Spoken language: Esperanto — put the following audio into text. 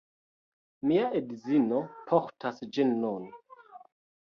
Mia edzino portas ĝin nun